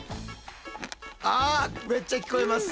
あめっちゃ聞こえます。